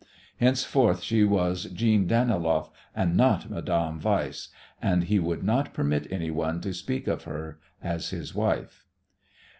Henceforth she was Jeanne Daniloff, and not Madame Weiss, and he would not permit anyone to speak of her as his wife.